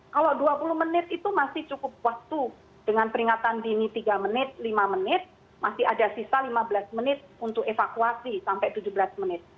kalau dua puluh menit itu masih cukup waktu dengan peringatan dini tiga menit lima menit masih ada sisa lima belas menit untuk evakuasi sampai tujuh belas menit